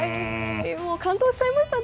感動しちゃいました。